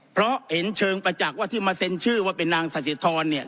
เพราะเห็นเชิงประจักษ์ว่าที่มาเซ็นชื่อว่าเป็นนางสสิทรเนี่ย